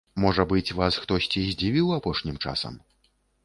Можа быць, вас хтосьці здзівіў апошнім часам?